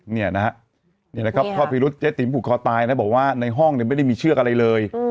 เนี่ยนะฮะเจ๊ติ๋มผูกคอตายแล้วบอกว่าในห้องเนี่ยไม่ได้มีเชือกอะไรเลย